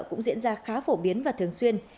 cũng diễn ra khá phổ biến và thường xuyên